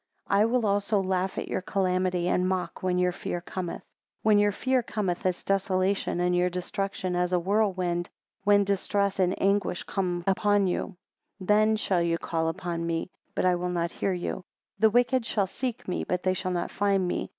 I will also laugh at your calamity, and mock when your fear cometh. 21 When your fear cometh as desolation, and your destruction as a whirlwind, when distress and anguish cometh upon you. 22 Then shall ye call upon me but I will not hear you: the wicked shall seek me but they shall not find me.